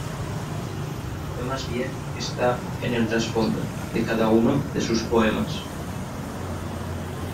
Que más bien está en el trasfondo de cada uno de sus poemas.